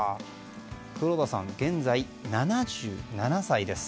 黒田さん、現在７７歳です。